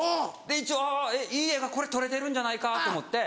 で一応いい画がこれ撮れてるんじゃないかと思って。